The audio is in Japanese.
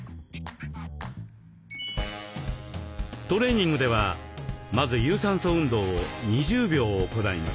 トレーニングではまず有酸素運動を２０秒行います。